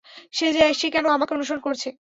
সে কেন আমাকে অনুসরণ করছে?